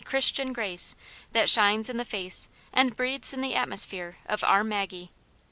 Christian grace that shines in the face and breathes iii the atmosphere of " our Maggie